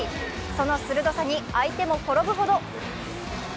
その鋭さに相手も転ぶほど。